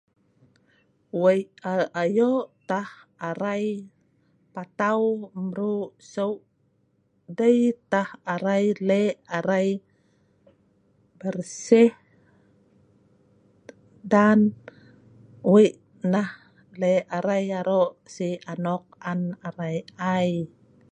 Wei aa ayo' tah arai patau mrue' seu' dei tah arai le' arai bersih dan wei nah le' arai aro' si' anok an arai ai.